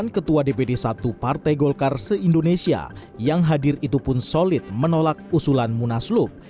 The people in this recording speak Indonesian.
delapan ketua dpd satu partai golkar se indonesia yang hadir itu pun solid menolak usulan munaslup